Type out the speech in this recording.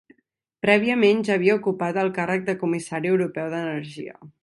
Prèviament ja havia ocupat el càrrec de Comissari Europeu d'Energia.